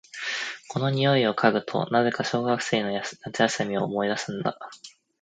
この匂いを嗅ぐと、なぜか小学生の夏休みを思い出すんだ。